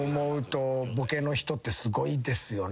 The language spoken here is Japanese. ボケの人ってすごいですよね。